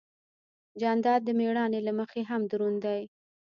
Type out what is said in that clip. جانداد د مېړانې له مخې هم دروند دی.